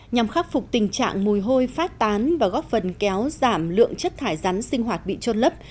nhằm khắc phục tình trạng mùi hôi phát tán và góp phần kéo giảm lượng chất thải rắn sinh hoạt bị trôn lấp